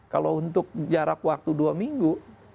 kalau untuk jarak waktu dua minggu